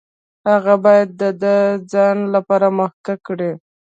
هغه باید دا د ځان لپاره محقق کړي.